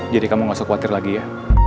jadi kamu nggak usah khawatir lagi ya